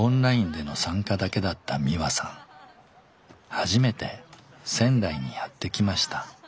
初めて仙台にやって来ました。